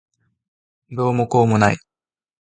どうもこうもない。